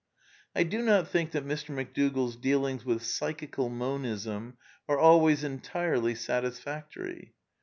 I do not think that Mr. McDougall's dealings with "Psychical Monism" are always entirely satisfactory.